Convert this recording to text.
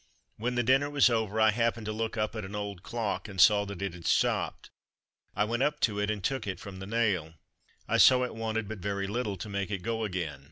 When the dinner was over, I happened to look up at an old clock and saw that it had stopped. I went up to it, and took it from the nail. I saw it wanted but very little to make it go again.